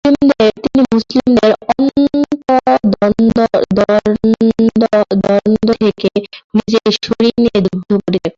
তিনি মুসলিমদের অন্তদ্বর্ন্দ থেকে নিজেকে সরিয়ে নিয়ে যুদ্ধ পরিত্যাগ করেন।